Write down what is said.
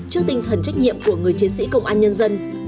trước tinh thần trách nhiệm của người chiến sĩ công an nhân dân